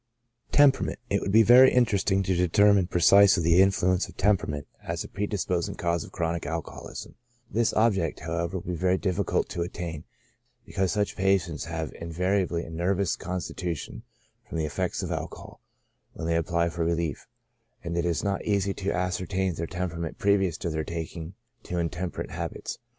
Temperament, — It would be very interesting to determine precisely the influence of temperament as a predisposing cause of chronic alcoholism ; this object, however, would be very difficult to attain, because such patients have inva riably a nervous constitution, from the effects of alcohol, when they apply for relief, and it is not easy to ascertain their temperament previous to their taking to intemperate habits.